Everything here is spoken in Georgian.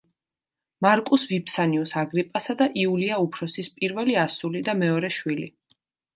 მარკუს ვიფსანიუს აგრიპასა და იულია უფროსის პირველი ასული და მეორე შვილი.